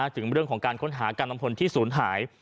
ถึงเรื่องของการค้นหากำลังพลที่ศูนย์หาย